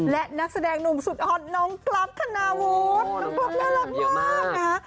และนักแสดงหนุ่มสุดฮอตน้องกรัฟคณาวุฒิน้องกล้องน่ารักมากนะฮะ